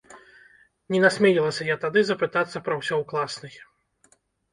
Не насмелілася я тады запытацца пра ўсё ў класнай.